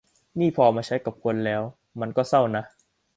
นี่พอเอามาใช้กับคนแล้วมันก็เศร้านะ